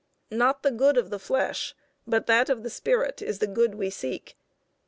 Not the good of the flesh, but that of the spirit is the good we seek.